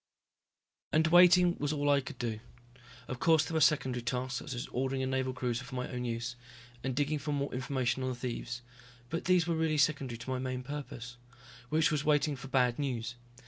And waiting was all I could do. Of course there were secondary tasks, such as ordering a Naval cruiser for my own use, and digging for more information on the thieves, but these really were secondary to my main purpose. Which was waiting for bad news.